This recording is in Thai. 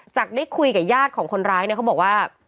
ได้คุยกับญาติของคนร้ายเนี่ยเขาบอกว่า